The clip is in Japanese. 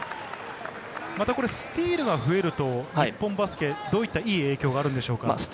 スティールが増えると、日本バスケ、どういったいい影響があるんでしょうか？